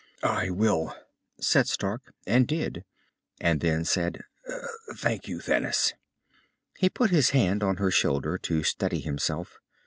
"I will," said Stark, and did, and then said, "Thank you, Thanis." He put his hand on her shoulder, to steady himself.